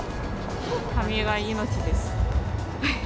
髪は命です。